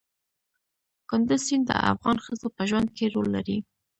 کندز سیند د افغان ښځو په ژوند کې رول لري.